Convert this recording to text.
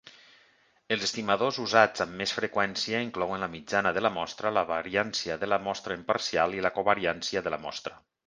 Els estimadors usats amb més freqüència inclouen la mitjana de la mostra, la variància de la mostra imparcial i la covariància de la mostra.